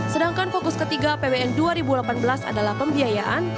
sedangkan fokus ketiga apbn dua ribu delapan belas adalah pembiayaan